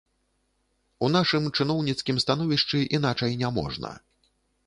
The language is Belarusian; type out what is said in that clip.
У нашым чыноўніцкім становішчы іначай няможна.